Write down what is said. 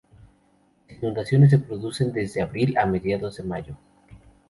Las inundaciones se producen desde abril a mediados de mayo.